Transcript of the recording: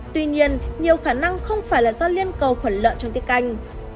tuy nhiên nhiều khả năng không phải là do liên cầu khuẩn lợn trong tiết canh